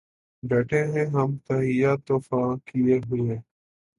بیٹهے ہیں ہم تہیّہ طوفاں کئے ہوئے